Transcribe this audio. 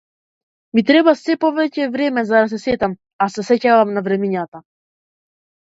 Ми треба сѐ повеќе време за да се сетам, а се сеќавам на времињата.